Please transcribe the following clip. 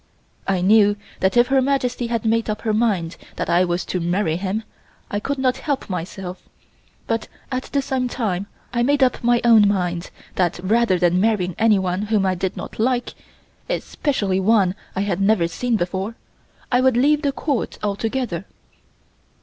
I knew that if Her Majesty had made up her mind that I was to marry him I could not help myself, but, at the same time, I made up my own mind that rather than marry anyone whom I did not like, especially one I had never seen before, I would leave the Court altogether.